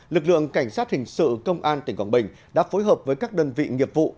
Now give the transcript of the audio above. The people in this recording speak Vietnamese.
lực lượng cảnh sát hình sự công an tỉnh quảng bình đã phối hợp với các đơn vị nghiệp vụ